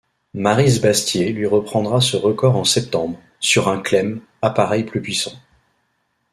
Maryse Bastié lui reprendra ce record en septembre, sur un Klemm, appareil plus puissant.